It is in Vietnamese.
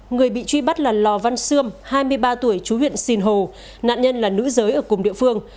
người bị truy bắt là lò văn sươm hai mươi ba tuổi chú huyện sinh hồ nạn nhân là nữ giới ở cùng địa phương